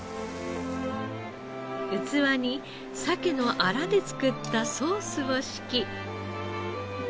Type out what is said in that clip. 器にサケのアラで作ったソースを敷き。